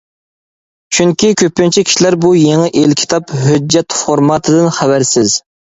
چۈنكى، كۆپىنچە كىشىلەر بۇ يېڭى ئېلكىتاب ھۆججەت فورماتىدىن خەۋەرسىز.